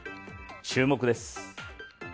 注目です。